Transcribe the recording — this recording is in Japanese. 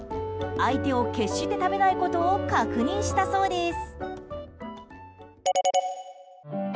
相手を決して食べないことを確認したそうです。